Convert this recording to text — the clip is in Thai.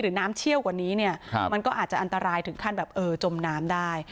น้ำเชี่ยวกว่านี้เนี่ยมันก็อาจจะอันตรายถึงขั้นแบบเออจมน้ำได้